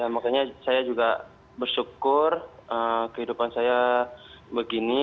makanya saya juga bersyukur kehidupan saya begini